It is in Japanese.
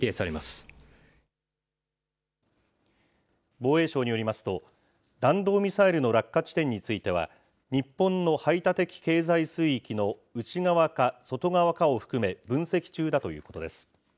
防衛省によりますと、弾道ミサイルの落下地点については、日本の排他的経済水域の内側か外側かを含め分析中だということです。